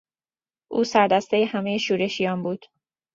او سردستهی همهی شورشیان بود.